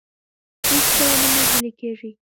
هیڅکله مه نه هیلي کیږئ.